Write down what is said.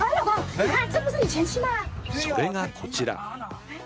それがこちら。